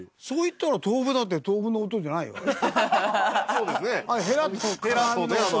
そういったら豆腐だって豆腐の音じゃないよあれ。